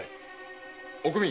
おくみ